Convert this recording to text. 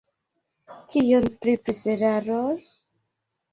Kion pri preseraroj?